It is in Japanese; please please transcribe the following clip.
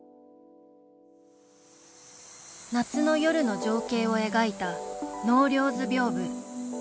夏の夜の情景を描いた「納涼図屏風」。